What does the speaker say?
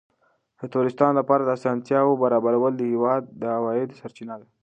د توریستانو لپاره د اسانتیاوو برابرول د هېواد د عوایدو سرچینه ده.